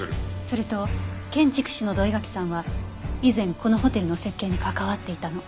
それと建築士の土居垣さんは以前このホテルの設計に関わっていたの。